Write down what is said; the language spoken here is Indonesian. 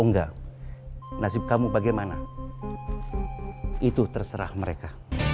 enggak nasib kamu bagaimana itu terserah mereka